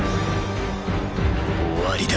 終わりだ！